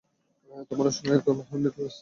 এতো মানুষ নয় এতো এক মহিমান্বিত ফেরেশতা।